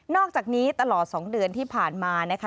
อกจากนี้ตลอด๒เดือนที่ผ่านมานะคะ